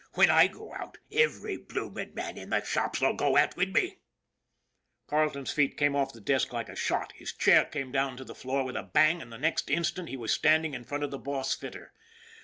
Whin I go out, every bloomin' man in the shops 'ull go out wid me !" Carleton's feet came off the desk like a shot, his chair came down to the floor with a bang, and the next instant he was standing in front of the boss fitter.